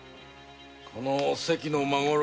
この「関の孫六」